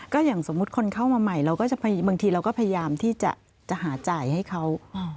ก็อย่างสมมุติคนเข้ามาใหม่เราก็จะบางทีเราก็พยายามที่จะหาจ่ายให้เขา